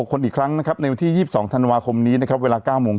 คนอีกครั้งนะครับในวันที่๒๒ธันวาคมนี้นะครับเวลา๙โมง